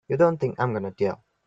You don't think I'm gonna tell!